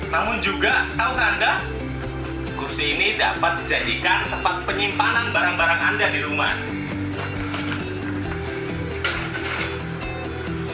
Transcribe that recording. namun juga tahukah anda kursi ini dapat dijadikan tempat penyimpanan barang barang anda di rumah